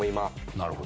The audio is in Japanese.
なるほど。